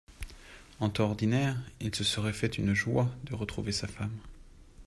En temps ordinaire, il se serait fait une joie de retrouver sa femme.